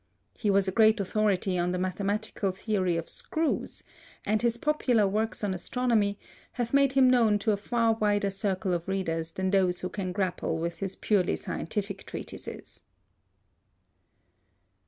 He was a great authority on the mathematical theory of screws, and his popular works on astronomy have made him known to a far wider circle of readers than those who can grapple with his purely scientific treatises.